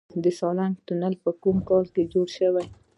د سالنګ تونل په کوم کال جوړ شو؟